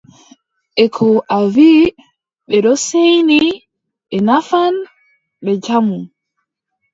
E ko a wii ɓe ɗo seeyni ɓe nafan ɓe jamu.